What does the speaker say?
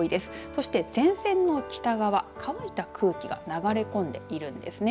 そして前線の北側乾いた空気が流れ込んでいるんですね。